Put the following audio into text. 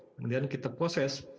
kemudian kita proses